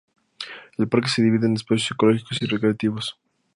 El parque se divide en espacios ecológicos y recreativos.